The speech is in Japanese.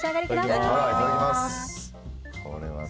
いただきます。